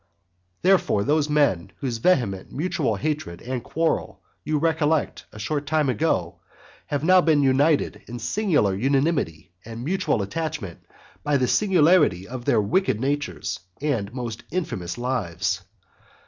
Therefore those men whose vehement mutual hatred and quarrel you recollect a short time ago, have now been united in singular unanimity and mutual attachment by the singularity of their wicked natures and most infamous lives.